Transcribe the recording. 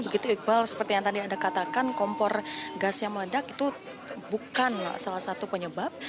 begitu iqbal seperti yang tadi anda katakan kompor gas yang meledak itu bukan salah satu penyebab